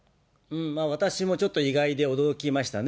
私もちょっと意外で驚きましたね。